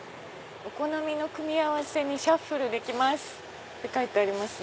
「お好みの組合せにシャッフルできます」。